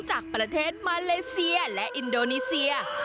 จากประเทศมาเลเซียและอินโดนีเซีย